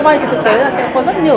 vừa đã đưa ra cái khung đó rồi